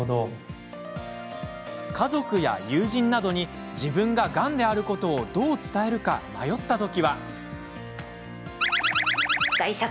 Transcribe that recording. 家族や友人などに自分が、がんであることをどう伝えるか迷った時は。